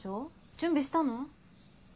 準備したの？